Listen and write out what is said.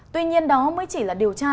tuy nhiên đó mới chỉ là điều tra